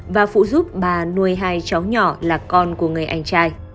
và phụ giúp bà nuôi hai cháu nhỏ là con của người anh trai